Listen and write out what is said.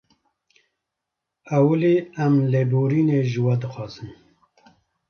Ewilî em lêborînê ji we dixwazin